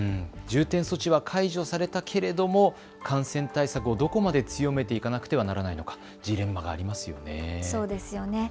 重点措置は解除されたけれども感染対策をどこまで強めていかなくてはならないのか、ジレンマがありますよね。